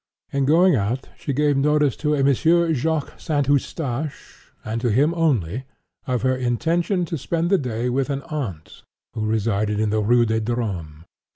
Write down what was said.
In going out, she gave notice to a Monsieur Jacques St. Eustache, (*7) and to him only, of her intent intention to spend the day with an aunt who resided in the Rue des Drômes.